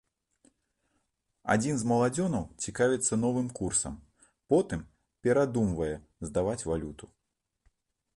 Адзін з маладзёнаў цікавіцца новым курсам, потым перадумвае здаваць валюту.